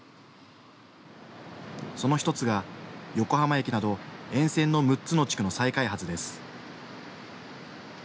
その１つが、横浜駅など沿線の６つの地区の再開発です。